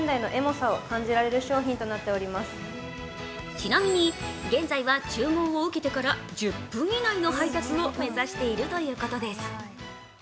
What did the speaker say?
ちなみに現在は注文を受けてから１０分以内の配達を目指しているということです。